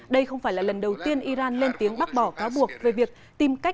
đây không phải là lần đầu tiên iran lên tiếng bác bỏ cáo buộc